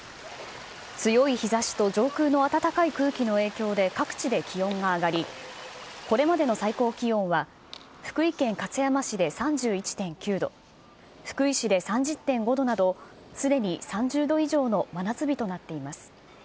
強い日ざしと上空の暖かい空気の影響で、各地で気温が上がり、これまでの最高気温は福井県勝山市で３１．９度、福井市で３０．５度など、すでに３０度以上の真夏日となっています。